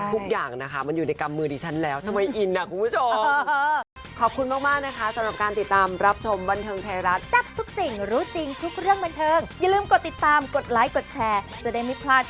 ทุกอย่างนะคะมันอยู่ในกำมือดิฉันแล้วทำไมอินอ่ะคุณผู้ชม